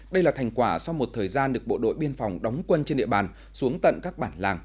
đây là thành quả sau một thời gian được bộ đội biên phòng đóng quân trên địa bàn xuống tận các bản làng